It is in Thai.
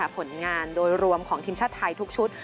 ผลงานโดยรวมของทีมชาติไทยทุกชุด